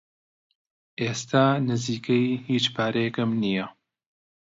ئێستا نزیکەی هیچ پارەیەکم نییە.